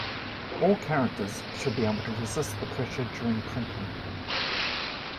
All characters should be able to resist the pressure during printing.